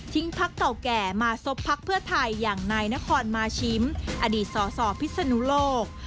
พักเก่าแก่มาซบพักเพื่อไทยอย่างนายนครมาชิมอดีตสสพิศนุโลก